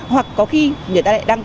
hoặc có khi người ta lại đăng ký